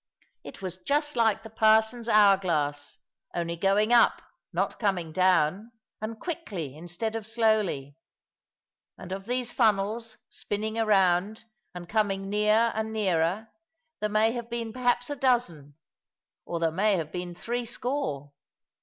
It was just like the parson's hour glass only going up, not coming down, and quickly instead of slowly. And of these funnels, spinning around, and coming near and nearer, there may have been perhaps a dozen, or there may have been threescore.